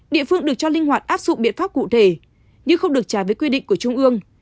địa phương được cho linh hoạt áp dụng biện pháp cụ thể nhưng không được trả với quy định của trung ương